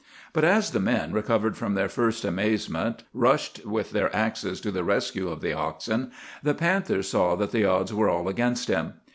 But as the men, recovered from their first amazement, rushed with their axes to the rescue of the oxen, the panther saw that the odds were all against him.